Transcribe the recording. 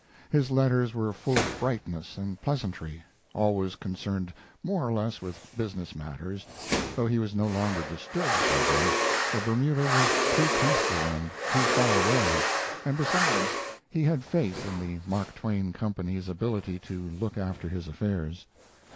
His letters were full of brightness and pleasantry always concerned more or less with business matters, though he was no longer disturbed by them, for Bermuda was too peaceful and too far away, and, besides, he had faith in the Mark Twain Company's ability to look after his affairs.